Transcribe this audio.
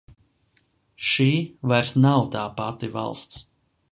Šī vairs nav tā pati valsts.